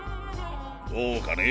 どうかね？